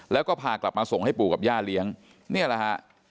แล้วก็พากลับมาส่งให้ปู่กับย่าเลี้ยงนี่แหละฮะ